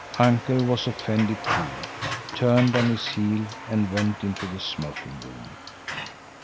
Uncle was offended too, turned on his heel and went into the smoking room.